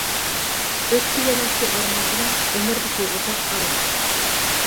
ئۆتتى يەنە شۇ ئارمان بىلەن، ئۆمۈردىكى ئۇزاق ئارىلىق.